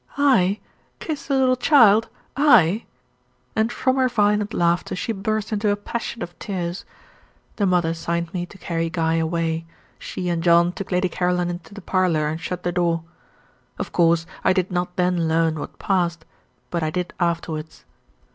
"I kiss a little child! I!" and from her violent laughter she burst into a passion of tears. The mother signed me to carry Guy away; she and John took Lady Caroline into the parlour, and shut the door. Of course I did not then learn what passed but I did afterwards.